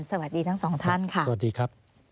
สวัสดีทั้งสองท่านค่ะ